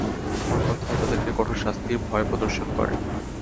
অন্যথায় তাদেরকে কঠোর শাস্তির ভয় প্রদর্শন করেন।